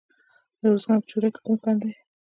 د ارزګان په چوره کې کوم کان دی؟